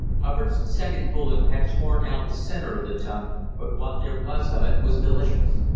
Hubbard's second bullet had torn out the centre of the tongue, but what there was of it was delicious.